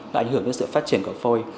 nó ảnh hưởng đến sự phát triển của phôi